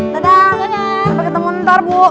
sampai ketemu nanti nanti bu